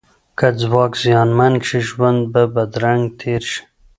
که ځواک زیانمن شي، ژوند به بدرنګ تیر شي.